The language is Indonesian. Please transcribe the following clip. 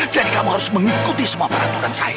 jadi kamu harus mengikuti semua peraturan saya